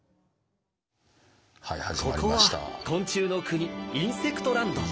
ここは昆虫の国インセクトランド。